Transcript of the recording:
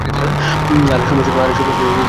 আরেক সমস্যা ছিল নাম্বার বা সংখ্যা।